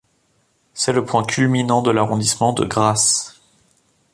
C'est le point culminant de l'arrondissement de Grasse.